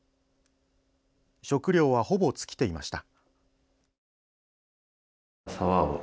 食料は、ほぼ尽きていました。